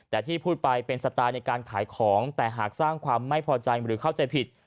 แต่ที่พูดไปเป็นสไตล์ในการขายของแต่หากสร้างความไม่พอใจหรือเข้าใจผิด